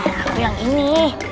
aku yang ini